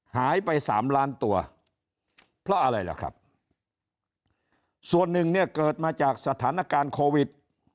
หายไปสามล้านตัวเพราะอะไรล่ะครับส่วนหนึ่งเนี่ยเกิดมาจากสถานการณ์โควิด